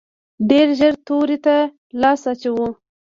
ډېر ژر تورې ته لاس اچوو.